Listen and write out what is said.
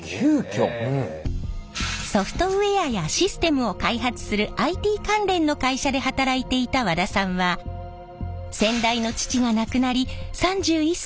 ソフトウエアやシステムを開発するＩＴ関連の会社で働いていた和田さんは先代の父が亡くなり３１歳で社長に。